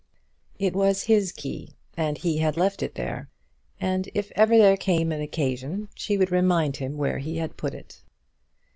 It was his key, and he had left it there, and if ever there came an occasion she would remind him where he had put it.